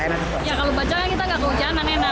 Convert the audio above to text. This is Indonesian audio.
ya kalau bajaj kita nggak ke ujalan enak